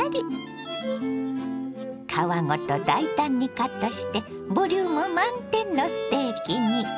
皮ごと大胆にカットしてボリューム満点のステーキに。